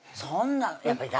そんなん